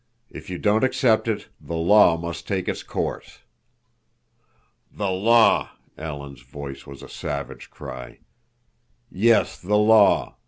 If you don't accept it—the law must take its course." "The law!" Alan's voice was a savage cry. "Yes, the law.